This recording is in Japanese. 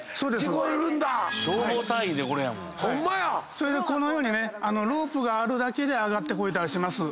それでこのようにねロープがあるだけで上がってこれたりします。